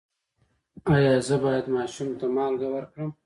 ایا زه باید ماشوم ته مالګه ورکړم؟